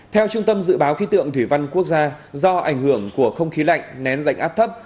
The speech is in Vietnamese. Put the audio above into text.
theo trung tâm dự báo khí tượng thủy văn quốc gia do ảnh hưởng của không khí lạnh nén rãnh áp thấp